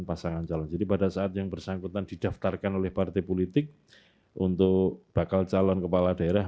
pasangan calon jadi pada saat yang bersangkutan didaftarkan oleh partai politik untuk bakal calon kepala daerah